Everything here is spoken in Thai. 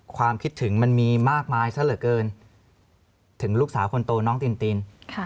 ความคิดถึงมันมีมากมายซะเหลือเกินถึงลูกสาวคนโตน้องติน